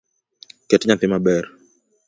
Ket nyathi maber